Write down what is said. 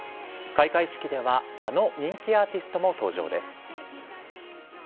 開会式では、あの人気アーティストも登場です。